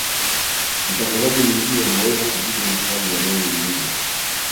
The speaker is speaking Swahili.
mtangazaji mwingine anaweza kujibu maswali yanayoulizwa